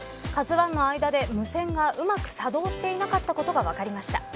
ＫＡＺＵ１の間で無線がうまく作動していなかったことが分かりました。